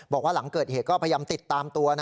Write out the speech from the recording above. บอกว่าหลังเกิดเหตุก็พยายามติดตามตัว